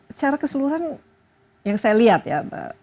secara keseluruhan yang saya lihat ya